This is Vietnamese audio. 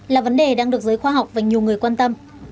là vấn đề đang được giới khoa học và nhiều người quan tâm